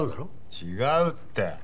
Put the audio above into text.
違うって！